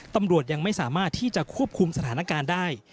ตำรวจยังไม่สามารถที่จะควบคุมสถานการณ์ได้